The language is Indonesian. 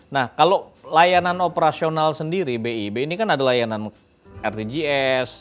nah kalau layanan operasional sendiri bib ini kan ada layanan rdgs